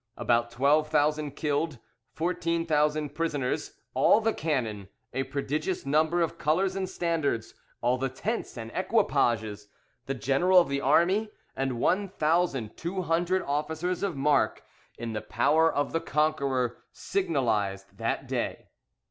About twelve thousand killed, fourteen thousand prisoners, all the cannon, a prodigious number of colours and standards, all the tents and equipages, the general of the army, and one thousand two hundred officers of mark, in the power of the conqueror, signalised that day!"